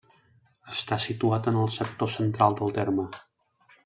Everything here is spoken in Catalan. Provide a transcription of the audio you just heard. Està situat en el sector central del terme.